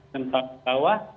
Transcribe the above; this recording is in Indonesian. tempat ke bawah